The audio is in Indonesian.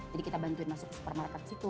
jadi kita bantuin masuk ke supermarket situ